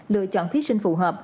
lựa chọn thi sinh phù hợp